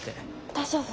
大丈夫？